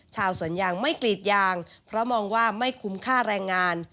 ชาวสวนยางไม่กรีดยางเพราะมองว่าไม่คุ้มค่าแรงงาน